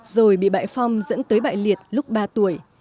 rồi bị bại phong dẫn tới bại liệt lúc ba tuổi